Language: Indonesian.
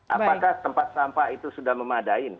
apakah tempat sampah itu sudah memadain